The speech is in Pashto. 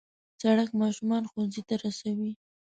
سړک ماشومان ښوونځي ته رسوي.